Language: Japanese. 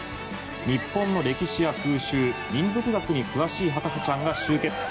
日本の歴史や風習民俗学に詳しい博士ちゃんが集結。